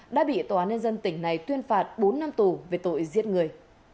đã bị tòa án nhân dân tỉnh này tuyên phạt bốn năm tù về tội giết người